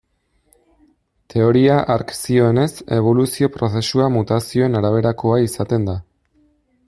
Teoria hark zioenez, eboluzio-prozesua mutazioen araberakoa izaten da.